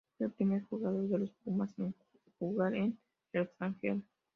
Fue el primer jugador de los pumas en jugar en el extranjero.